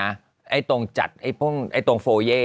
ไอ้ตรงจัดไอ้พวกตรงโฟเย่